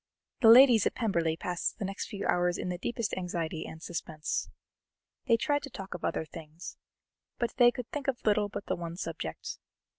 The ladies at Pemberley passed the next few hours in the deepest anxiety and suspense. They tried to talk of other things, but they could think of little but the one subject.